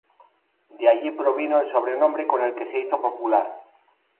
De allí provino el sobrenombre con el que se hizo popular.